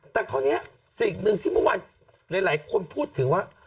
แต่คราวนี้สิ่งหนึ่งที่เมื่อวานหลายคนพูดถึงว่า